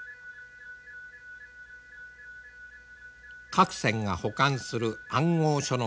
各船が保管する暗号書の封筒。